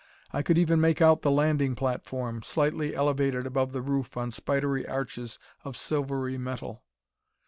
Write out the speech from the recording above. I could even make out the landing platform, slightly elevated above the roof on spidery arches of silvery metal.